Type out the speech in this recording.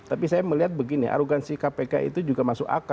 tapi saya melihat begini arogansi kpk itu juga masuk akal